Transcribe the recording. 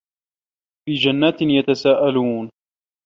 في جَنّاتٍ يَتَساءَلونَ